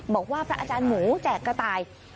บอกว่าพระอาจารย์หมูแจกกะตาย